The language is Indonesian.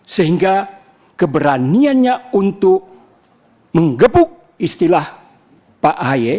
sehingga keberaniannya untuk menggebuk istilah pak ahy